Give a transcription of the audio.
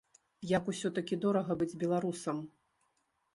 Як усё-такі дорага быць беларусам.